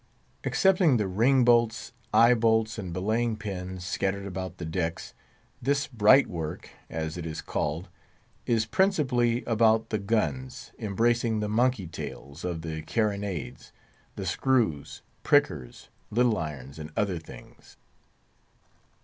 Excepting the ring bolts, eye bolts, and belaying pins scattered about the decks, this bright work, as it is called, is principally about the guns, embracing the "monkey tails" of the carronades, the screws, prickers, little irons, and other things.